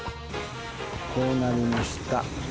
こうなりました。